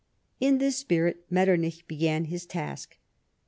In this spirit Metternich began his task.